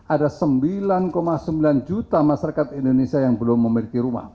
ada sembilan sembilan juta masyarakat indonesia yang belum memiliki rumah